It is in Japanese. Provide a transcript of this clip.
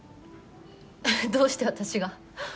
どうして私が？